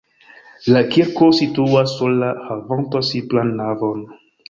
La kirko situas sola havanta simplan navon.